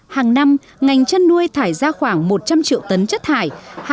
hàng năm ngành chăn nuôi thải ra khoảng một trăm linh triệu tấn chất thải